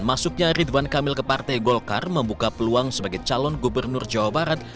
masuknya ridwan kamil ke partai golkar membuka peluang sebagai calon gubernur jawa barat